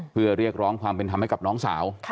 เพื่อเรียกร้องความเป็นธรรมให้กับน้องสาว